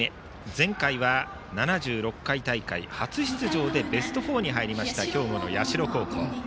前回は７６回大会、初出場でベスト４に入りました兵庫の社高校。